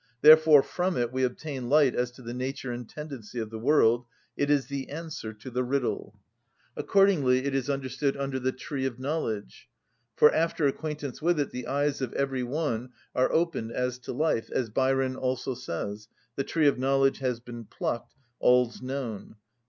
Therefore from it we obtain light as to the nature and tendency of the world: it is the answer to the riddle. Accordingly it is understood under "the tree of knowledge," for after acquaintance with it the eyes of every one are opened as to life, as Byron also says: "The tree of knowledge has been plucked,—all's known."